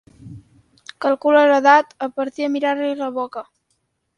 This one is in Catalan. Calcula l'edat a partir de mirar-li la boca.